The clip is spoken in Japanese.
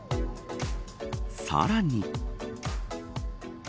さらに。